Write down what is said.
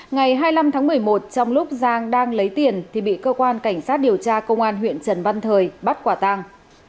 ngày hai mươi năm tháng một mươi một trong lúc giang đang lấy tiền thì bị cơ quan cảnh sát điều tra công an huyện trần văn thời bắt quả tàng